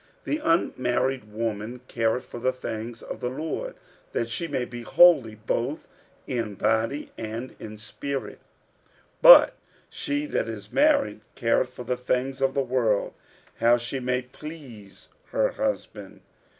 The unmarried woman careth for the things of the Lord, that she may be holy both in body and in spirit: but she that is married careth for the things of the world, how she may please her husband.